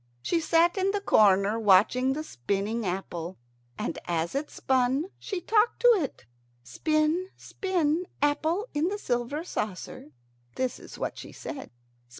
She sat in the corner watching the spinning apple. And as it spun she talked to it. "Spin, spin, apple in the silver saucer." This is what she said.